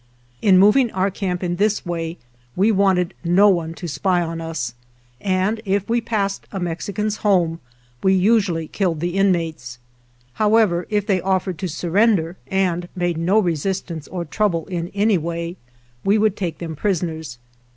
In moving our camp in this way we wanted no one to spy on us, and if we passed a Mexican's home we usually killed the in mates. However, if they offered to sur render and made no resistance or trouble in any way, we would take them prisoners.